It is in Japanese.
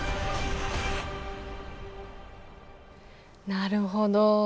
なるほど。